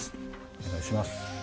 お願いします。